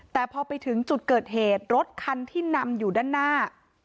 แต่พอไปถึงจุดเกิดเหตุรถคันที่นำอยู่ด้านหน้า